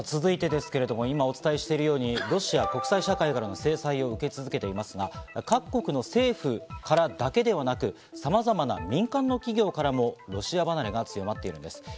続いてですけど、今お伝えしているようにロシアが国際社会から制裁を受けていますが、各国政府からだけでなく、さまざまな民間企業からもロシア離れが強まっています。